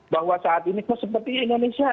bahwa saat ini kok seperti indonesia